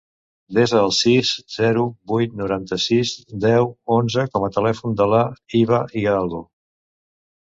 Desa el sis, zero, vuit, noranta-sis, deu, onze com a telèfon de la Hiba Hidalgo.